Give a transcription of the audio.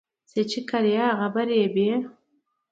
چي کرې، هغه به رېبې.